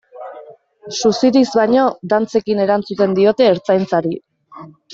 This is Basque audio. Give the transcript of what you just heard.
Suziriz baino, dantzekin erantzuten diote Ertzaintzari.